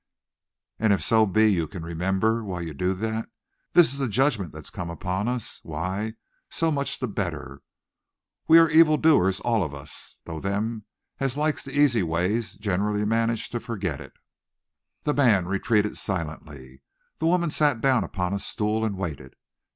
And if so be you can remember while you do it that this is a judgment that's come upon us, why, so much the better. We are evil doers, all of us, though them as likes the easy ways generally manage to forget it." The man retreated silently. The woman sat down upon a stool and waited.